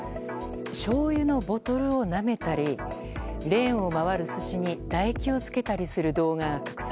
しょうゆのボトルをなめたりレーンを回る寿司に唾液をつけたりする動画が拡散。